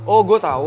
oh saya tahu